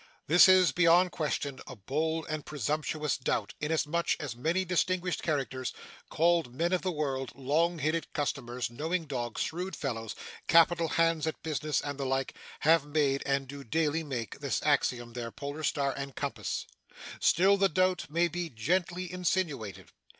This is, beyond question, a bold and presumptuous doubt, inasmuch as many distinguished characters, called men of the world, long headed customers, knowing dogs, shrewd fellows, capital hands at business, and the like, have made, and do daily make, this axiom their polar star and compass. Still, the doubt may be gently insinuated.